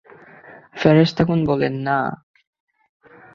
ফেরেশতাগণ বলেন, না।